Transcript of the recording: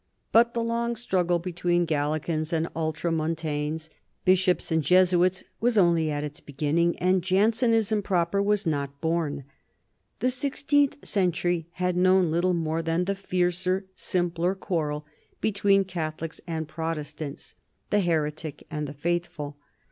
But the long struggle between Gallicans and Ultramontanes, Bishops and Jesuits, was only at its beginning, and Jansenism proper was not born ; the sixteenth century had known little more than the fiercer, sihipler quarrel between Catholics and Protestants, the heretic and the faithful.